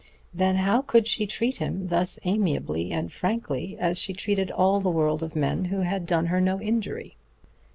Then how could she treat him thus amiably and frankly, as she treated all the world of men who had done her no injury?